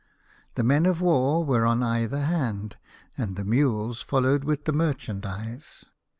The men of war were on either hand, and the mules followed with the merchandise.